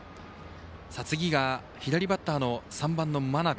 次が左バッターの３番の真鍋。